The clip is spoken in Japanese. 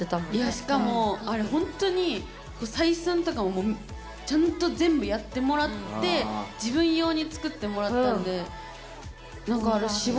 しかもあれほんとに採寸とかもちゃんと全部やってもらって自分用に作ってもらったんで。